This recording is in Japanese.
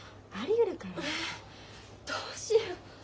えどうしよう。